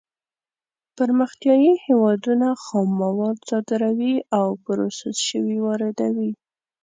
پرمختیايي هېوادونه خام مواد صادروي او پروسس شوي واردوي.